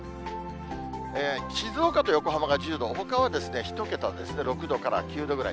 静岡と横浜が１０度、ほかは１桁ですね、６度から９度ぐらい。